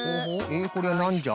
こりゃなんじゃ？